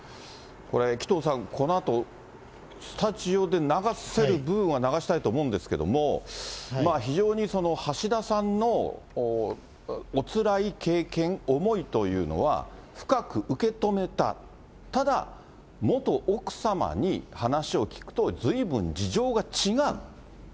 これ、紀藤さん、このあと、スタジオで流せる部分は流したいと思うんですけれども、非常に橋田さんのおつらい経験、思いというのは、深く受け止めた、ただ、元奥様に話を聞くと、ずいぶん事情が違う。